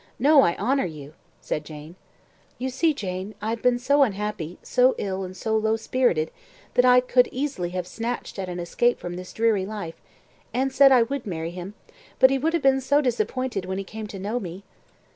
No, I honour you," said Jane. "You see Jane, I have been so unhappy, so ill, and so low spirited, that I could easily have snatched at an escape from this dreary life, and said I would marry him; but he would have been so disappointed when he came to know me."